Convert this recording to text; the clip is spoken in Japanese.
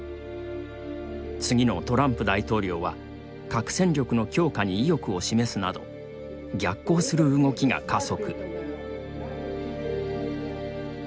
次のトランプ大統領は核戦力の強化に意欲を示すなど逆行する動きが加速。